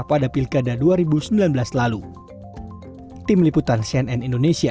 pada pilkada dua ribu sembilan belas lalu tim liputan cnn indonesia